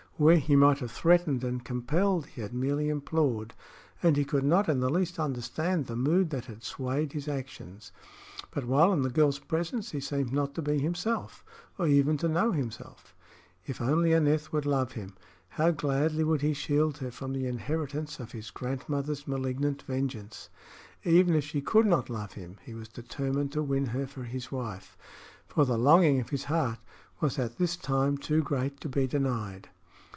Where he might have threatened and compelled he had merely implored, and he could not in the least understand the mood that had swayed his actions. But while in the girl's presence he seemed not to be himself, or even to know himself. If only Aneth would love him, how gladly would he shield her from the inheritance of his grandmother's malignant vengeance! Even if she could not love him, he was determined to win her for his wife, for the longing of his heart was at this time too great to be denied.